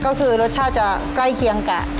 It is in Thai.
ก็คือรสชาติจะใกล้เคียงกับ